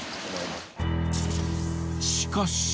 しかし。